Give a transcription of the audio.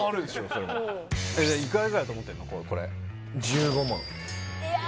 それもいくらぐらいだと思ってんの？